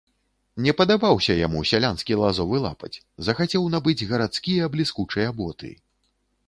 Не падабаўся яму сялянскі лазовы лапаць, захацеў набыць гарадскія бліскучыя боты.